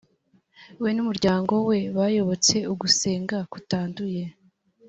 we n’umuryango we bayobotse ugusenga kutanduye